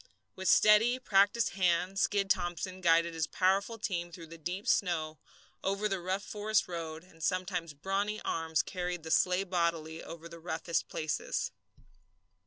With steady, practiced hand Skid Thomson guided his powerful team through the deep snow, over the rough forest road; and sometimes brawny arms carried the sleigh bodily over the roughest places.